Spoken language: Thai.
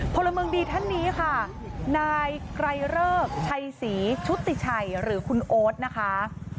พลเมืองดีท่านนี้ค่ะนายไกรเริกชัยศรีชุติชัยหรือคุณโอ๊ตนะคะ